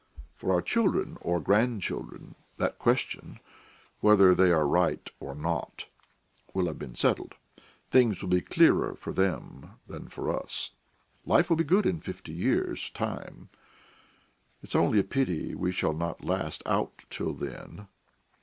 For our children or grandchildren that question whether they are right or not will have been settled. Things will be clearer for them than for us. Life will be good in fifty years' time; it's only a pity we shall not last out till then.